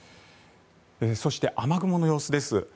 そして、雨雲の様子です。